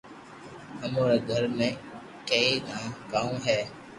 امو ري گھر ۾ ڪئي ٺا ڪاو ھي